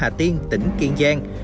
hà tiên tỉnh kiên giang